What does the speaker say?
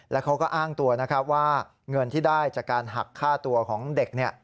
แล้วเขาก็อ้างตัวนะครับว่าเงินที่ได้จากการหักค่าตัวของเด็ก